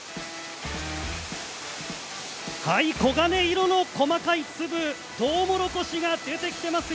黄金色の細かい粒とうもろこしが出てきています。